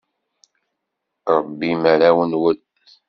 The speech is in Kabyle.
Rebbim arraw-nwen.